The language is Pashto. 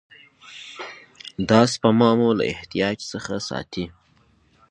دا سپما مو له احتیاج څخه ساتي.